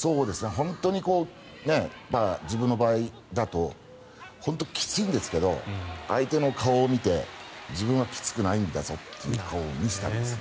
本当に自分の場合だと本当にきついんですけど相手の顔を見て自分はきつくないんだぞという顔を見せたんですよね。